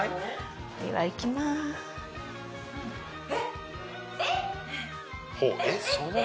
えっ！？